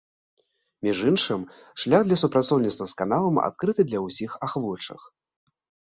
Між іншым, шлях для супрацоўніцтва з каналам адкрыты для ўсіх ахвочых.